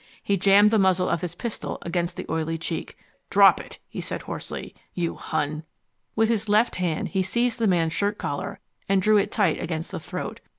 He jammed the muzzle of his pistol against the oily cheek. "Drop it!" he said hoarsely. "You Hun!" With his left hand he seized the man's shirt collar and drew it tight against the throat.